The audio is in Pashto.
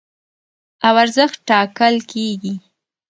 او ارزښت ټاکل کېږي.